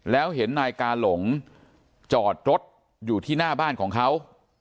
แล้วเห็นนายกาหลงจอดรถอยู่ที่หน้าบ้านของเขา